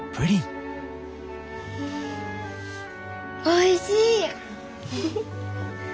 おいしい。